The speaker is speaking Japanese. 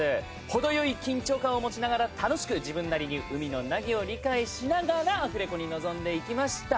程良い緊張感を持ちながら楽しく自分なりに海野凪を理解しながらアフレコに臨んでいきました。